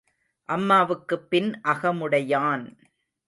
அம்மாவுக்குப் பின் அகமுடையான்.